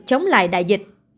chống lại đại dịch